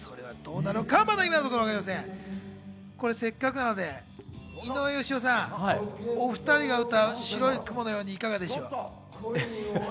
せっかくなので井上芳雄さん、２人が歌う『白い雲のように』、いかがでしょう。